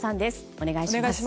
お願いします。